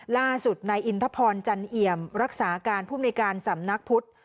ล่าสุดนายอินทพรจันเอี่ยมรักษาการผู้มนุยการสำนักพุทธ